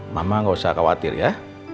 mama gak usah khawatir ya